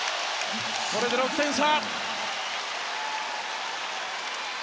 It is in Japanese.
これで６点差。